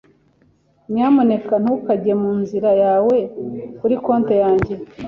Nyamuneka ntukajye mu nzira yawe kuri konti yanjye.